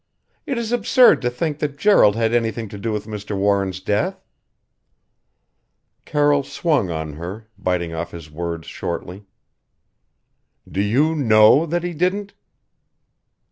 It is absurd to think that Gerald had anything to do with Mr. Warren's death." Carroll swung on her, biting off his words shortly: "Do you know that he didn't?"